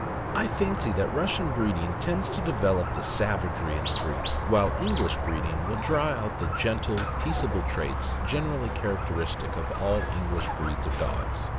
' I fancy that Russian breeding tends to develop the savagery in the breed, while English breed ing will draw out the gentle, peaceable traits generally characteristic of all English breeds of dogs.